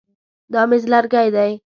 دا مېز لرګی دی.